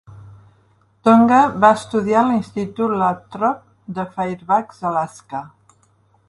Tongue va estudiar a l'institut Lathrop de Fairbanks (Alaska).